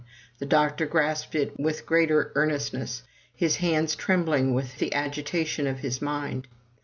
The doctor grasped it with greater earnestness, his hands trembling with the agitation of his mind.